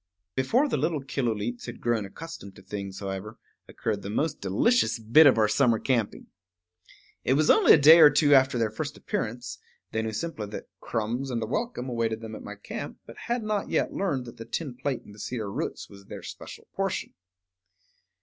Before the little Killooleets had grown accustomed to things, however, occurred the most delicious bit of our summer camping. It was only a day or two after their first appearance; they knew simply that crumbs and a welcome awaited them at my camp, but had not yet learned that the tin plate in the cedar roots was their special portion.